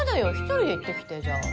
１人で行ってきてじゃあ。